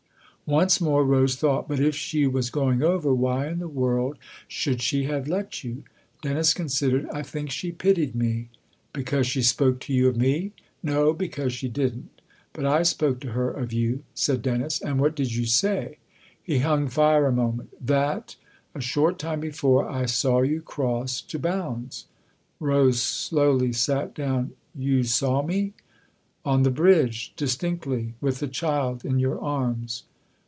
Once more Rose thought. " But if she was going over, why in the world should she have let you ?" Dennis considered. " I think she pitied me." " Because she spoke to you of me ?"" No ; because she didn't. But I spoke to her of you," said Dennis. " And what did you say ?" He hung fire a moment. "That a short time before I saw you cross to Bounds." Rose slowly sat down. " You saw me ?" "On the bridge, distinctly. With the child in your arms."